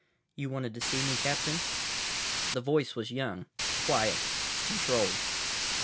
"You wanted to see me, Captain?" The voice was young, quiet, controlled.